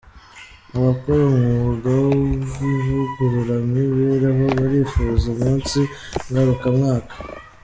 Abakora umwuga w’ivugururamibereho barifuza umunsi ngarukamwaka